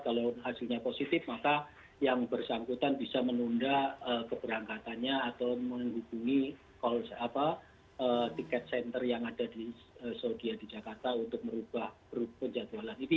kalau hasilnya positif maka yang bersangkutan bisa menunda keberangkatannya atau menghubungi tiket center yang ada di saudi di jakarta untuk merubah penjadwalan